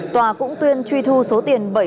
tòa cũng tuyên truy thu số tiền bảy triệu đồng